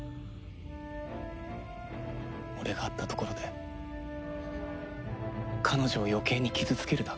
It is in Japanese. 俺が会ったところで彼女を余計に傷つけるだけだ。